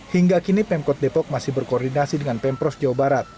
hingga kini pemkot depok masih berkoordinasi dengan pemprov jawa barat